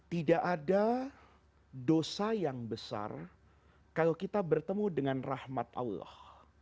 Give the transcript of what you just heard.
tidak ada dosa yang besar kalau kita bertemu dengan rahmat allah